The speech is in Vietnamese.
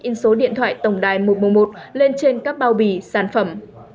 in số điện thoại tổng đài một trăm một mươi một lên trên các bao bì sản phẩm